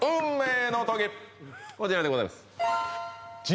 こちらでございます